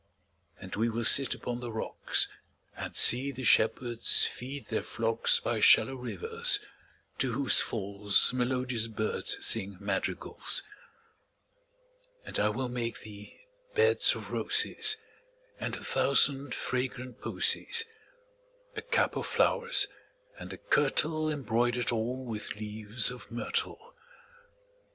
And we will sit upon the rocks, 5 And see the shepherds feed their flocks By shallow rivers, to whose falls Melodious birds sing madrigals. And I will make thee beds of roses And a thousand fragrant posies; 10 A cap of flowers, and a kirtle Embroider'd all with leaves of myrtle.